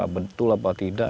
betul apa tidak